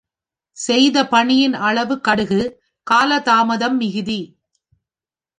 செய்த பணியின் அளவு கடுகு, கால தாமதம் மிகுதி.